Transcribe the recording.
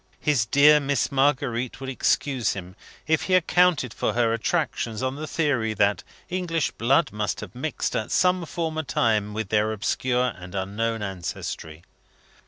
His dear Miss Marguerite would excuse him, if he accounted for her attractions on the theory that English blood must have mixed at some former time with their obscure and unknown ancestry.